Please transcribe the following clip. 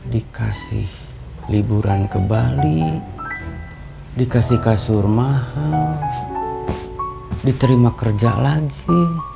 dikasih liburan ke bali dikasih kasur mah diterima kerja lagi